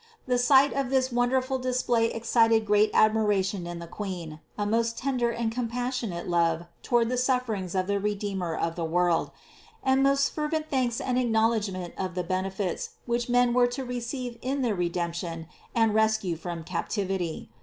The sight of this won derful display excited great admiration in the Queen, a most tender and compassionate love toward the suffer ings of the Redeemer of the world, and most fervent thanks and acknowledgment of the benefits, which men were to receive in their Redemption and rescue from cap tivity.